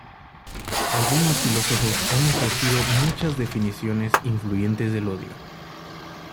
Algunos filósofos han ofrecido muchas definiciones influyentes del odio.